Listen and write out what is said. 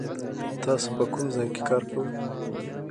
تاسو په کوم ځای کې کار کوئ؟